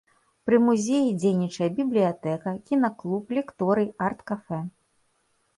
Пры музеі дзейнічае бібліятэка, кінаклуб, лекторый, арт-кафэ.